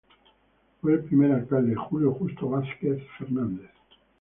Fue el primer Alcalde Julio Justo Vásquez Fernandez.